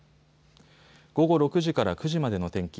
午後６時から９時までの天気。